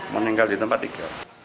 meninggal di tempat ikil